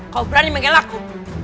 kau berani mengelakku